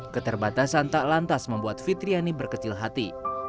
keterbatasan tak lantas membuat fitriani berkecil hati